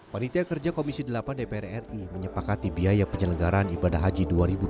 panitia kerja komisi delapan dpr ri menyepakati biaya penyelenggaran ibadah haji dua ribu dua puluh